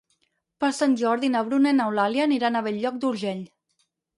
Per Sant Jordi na Bruna i n'Eulàlia aniran a Bell-lloc d'Urgell.